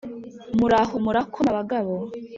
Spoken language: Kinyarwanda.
Muraho murakoma bagabo